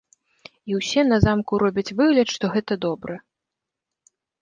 І ўсе на замку робяць выгляд, што гэта добра.